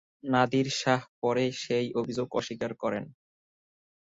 নাদির শাহ পরে সেই অভিযোগ অস্বীকার করেন।